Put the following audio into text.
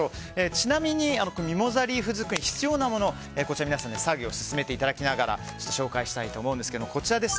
ちなみに、ミモザリース作りに必要なものを皆さんに作業を進めていただきながら紹介します。